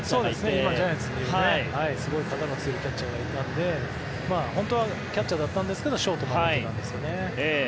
今、ジャイアンツにいるすごい肩の強いキャッチャーがいたので本当はキャッチャーだったんですがショートをやったんですよね。